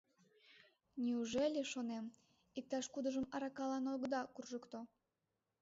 Неужели, шонем, иктаж-кудыжым аракалан огыда куржыкто?